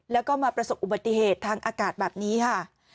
แล้วก็มาประสบอุบัติเหตุทางอากาศแบบนี้ค่ะ